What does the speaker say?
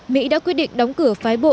mỹ đã quyết định đóng cửa phái bộ